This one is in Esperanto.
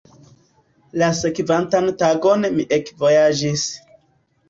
La sekvantan tagon mi ekvojaĝis.